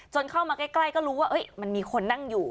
เข้ามาใกล้ก็รู้ว่ามันมีคนนั่งอยู่